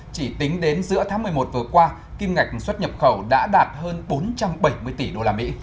chỉ tính đến giữa tháng một mươi một vừa qua kim ngạch xuất nhập khẩu đã đạt hơn bốn trăm bảy mươi tỷ đô la mỹ